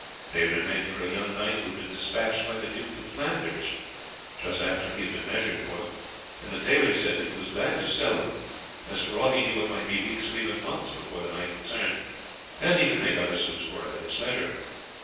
They had been made for a young knight who had been despatched by the duke to Flanders just after he had been measured for them, and the tailor said that he was glad to sell them, as for aught he knew it might be weeks or even months before the knight returned, and he could make other suits for him at his leisure.